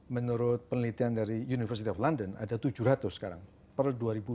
menurut penelitian dari university of london ada tujuh ratus sekarang per dua ribu dua puluh